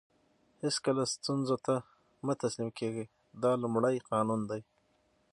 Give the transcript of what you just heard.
هیڅکله ستونزو ته مه تسلیم کېږئ دا لومړی قانون دی.